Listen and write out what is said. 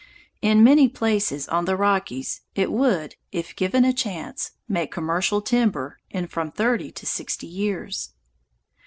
In many places on the Rockies it would, if given a chance, make commercial timber in from thirty to sixty years.